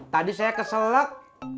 tadi saya keselak